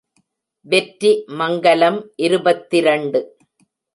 வெற்றி மங்கலம் இருபத்திரண்டு.